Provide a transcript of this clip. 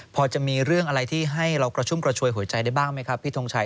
พอจะมีเรื่องอะไรที่ให้เรากระชุ่มกระชวยหัวใจได้บ้างไหมครับพี่ทงชัย